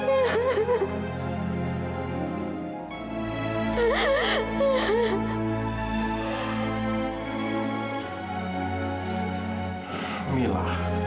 minah minah minah